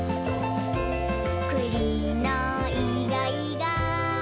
「くりのいがいが」